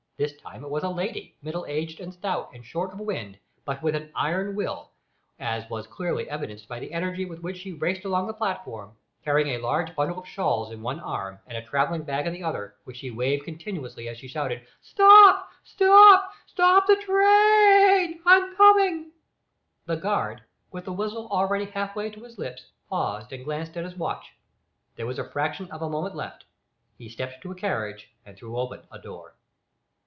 This time it was a lady, middle aged and stout, and short of wind, but with an iron will, as was clearly evinced by the energy with which she raced along the platform, carrying a large bundle of shawls in one arm, and a travelling bag in the other, which she waved continuously as she shouted, "Stop! stop! stop the trai i i in! I'm coming!" The guard, with the whistle already half way to his lips, paused and glanced at his watch. There was a fraction of a moment left. He stepped to a carriage and threw open a door.